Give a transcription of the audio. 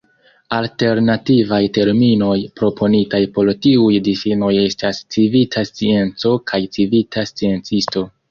Alternativaj terminoj proponitaj por tiuj difinoj estas "civita scienco" kaj "civita sciencisto.